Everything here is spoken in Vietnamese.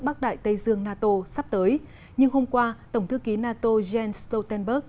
bắc đại tây dương nato sắp tới nhưng hôm qua tổng thư ký nato jens stoltenberg